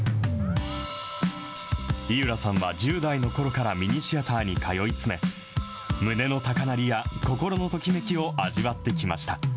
井浦さんは１０代のころからミニシアターに通い詰め、胸の高鳴りや心のときめきを味わってきました。